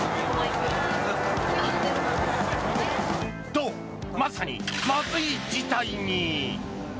と、まさにまずい事態に。